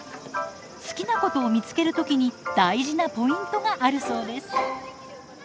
好きなことを見つける時に大事なポイントがあるそうです。